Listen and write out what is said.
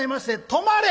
「止まれ！」。